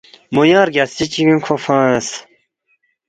مو ینگ رگیاسترِد چگِنگ کھو فنگس